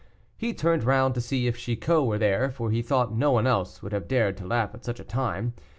He turned round to see if Chicot were there, for he thought no one else would have dared to laugh at such a time.